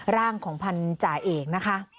ร่างของพันธาเอกนะคะ